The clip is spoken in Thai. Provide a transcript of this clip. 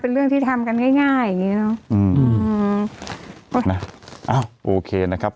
เรื่องที่ทำกันง่ายง่ายอย่างงี้เนอะอืมนะอ้าวโอเคนะครับ